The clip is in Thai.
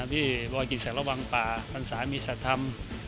พี่บัวกินแสงระวังปลาบังกันความสายมีชัดธรรม